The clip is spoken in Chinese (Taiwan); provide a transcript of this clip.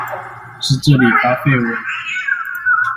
是這裡發廢文？